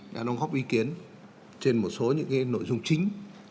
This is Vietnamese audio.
đã đóng góp ý kiến trên một số những nội dung chính